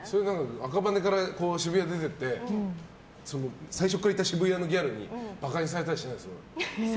赤羽から渋谷に出てって最初からいた渋谷のギャルにバカにされたりしないんですか？